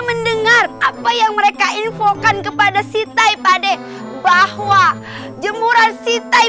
mendengar apa yang mereka infokan kepada sitai pade bahwa jemuran sitai